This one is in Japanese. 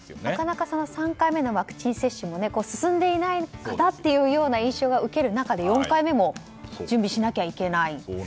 なかなか３回目のワクチン接種も進んでいないかな？という印象を受ける中で４回目も準備しなきゃいけない。